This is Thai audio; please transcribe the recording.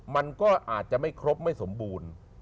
มันก็อาจจะไม่ครบไม่สมบูรณ์